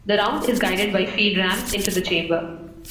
The round is guided by feed ramps into the chamber.